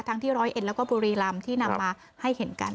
ที่ร้อยเอ็ดแล้วก็บุรีรำที่นำมาให้เห็นกัน